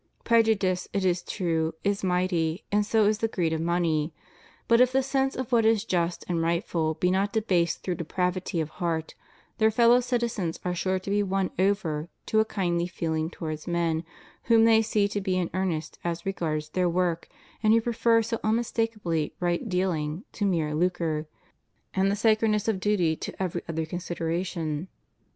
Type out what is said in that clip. Prejudice, it is true, is mighty, and so is the greed of money; but if the sense of what is just and rightful be not debased through depravity of heart, their fellow citizens are sure to be won over to a kindly feeling towards men whom they see to be in earnest as regards their work and who prefer so unmis takably right deaUng to mere lucre, and the sacredness of duty to every other consideration.